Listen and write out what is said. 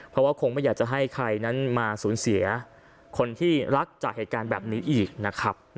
เพราะว่าคงไม่อยากจะให้ใครนั้นมาสูญเสียคนที่รักจากเหตุการณ์แบบนี้อีกนะครับ